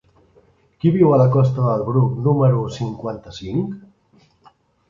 Qui viu a la costa del Bruc número cinquanta-cinc?